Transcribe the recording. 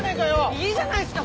いいじゃないですか。